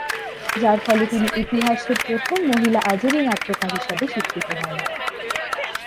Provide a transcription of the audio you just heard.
যার ফলে তিনি ইতিহাসের প্রথম মহিলা আজেরি নাট্যকার হিসাবে স্বীকৃত হন।